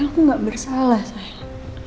sayang aku gak bersalah sayang